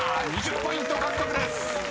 ２０ポイント獲得です］